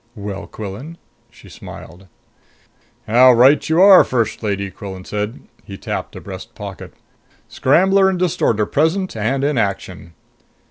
Well, Quillan?" She smiled. "How right you are, First Lady!" Quillan said. He tapped a breast pocket. "Scrambler and distorter present and in action."